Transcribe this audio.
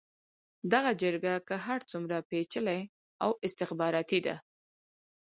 دغه جګړه که هر څومره پېچلې او استخباراتي ده.